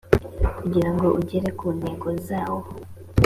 kugira ngo ugere ku ntego zawo